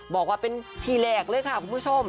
บอกว่าเป็นที่แรกเลยค่ะคุณผู้ชม